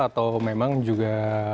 atau memang juga